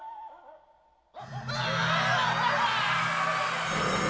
うわ！